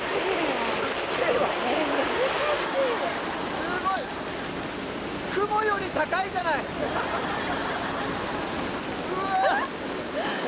すごい雲より高いじゃないうわ！